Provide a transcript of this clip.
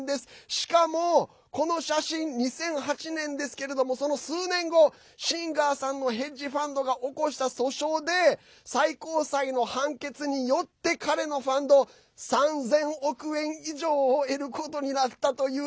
しかも、この写真２００８年ですけどもその数年後、シンガーさんのヘッジファンドが起こした訴訟で最高裁の判決によって彼のファンド３０００億円以上を得ることになったという。